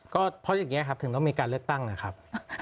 ก็เพราะอย่างนี้ครับถึงต้องมีการเลือกตั้งนะครับ